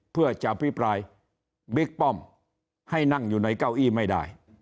เพื่อจะอภิปรายบิ๊กป้อมให้นั่งอยู่ในเก้าอี้ไม่ได้